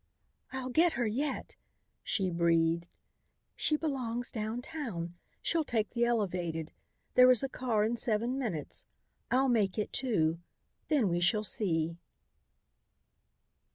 "I'll get her yet," she breathed. "She belongs down town. She'll take the elevated. There is a car in seven minutes. I'll make it, too. Then we shall see."